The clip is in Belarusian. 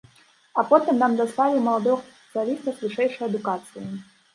А потым нам даслалі маладога спецыяліста з вышэйшай адукацыяй.